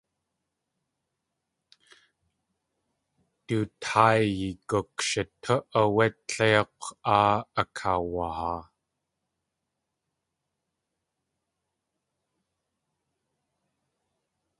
Du táayi gukshitú áwé tléik̲w áa akaawahaa.